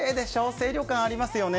清涼感ありますよね。